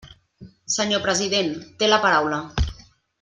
Senyor president, té la paraula.